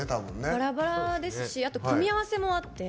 バラバラですし組み合わせもあって。